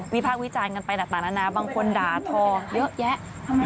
วิพากษ์วิจารณ์กันไปหนักหนังนั้นนะบางคนด่าทอเยอะแยะ